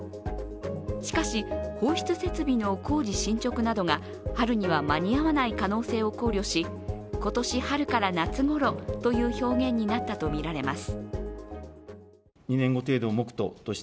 しかし、放出設備の工事進捗などが春には間に合わない可能性を考慮し、今年春から夏ごろという表現になったとみられます。